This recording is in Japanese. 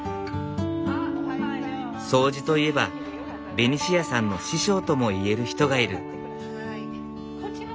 掃除といえばベニシアさんの師匠とも言える人がいる。